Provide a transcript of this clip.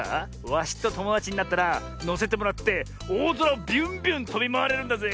ワシとともだちになったらのせてもらっておおぞらをビュンビュンとびまわれるんだぜ。